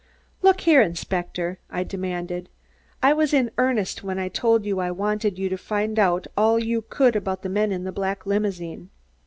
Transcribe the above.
"Look here, Inspector!" I demanded, "I was in earnest when I told you I wanted you to find out all you could about the men in the black limousine.